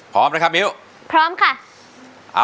ขอผิดแค่หนึ่งคำ